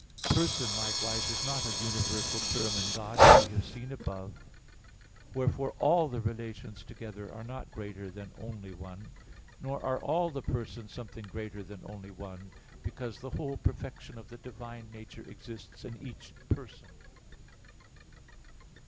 Person likewise is not a universal term in God as we have seen above (Q. 30, A. 4). Wherefore all the relations together are not greater than only one; nor are all the persons something greater than only one; because the whole perfection of the divine nature exists in each person.